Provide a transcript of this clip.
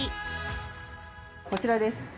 こちらです。